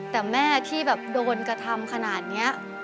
แต่แม่ที่แบบโดนกระทำขนาดนี้